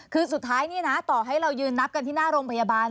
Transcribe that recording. คือสุดท้ายนี่นะต่อให้เรายืนนับกันที่หน้าโรงพยาบาล